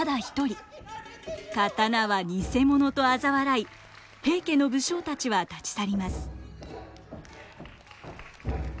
刀は偽物とあざ笑い平家の武将たちは立ち去ります。